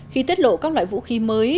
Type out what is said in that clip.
khi tiết lộ các loại vũ khí mới